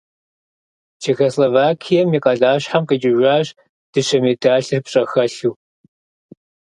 Чехословакием и къалащхьэм къикӀыжащ дыщэ медалыр пщӀэхэлъу.